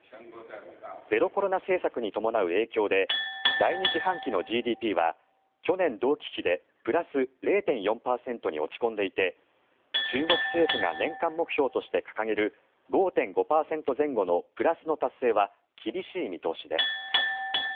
ゼロコロナ政策に伴う影響で第２四半期のＧＤＰは去年同期比でプラス０．４％に落ち込んでいて中国政府が年間目標として掲げる５．５％前後のプラスの達成は厳しい見通しです。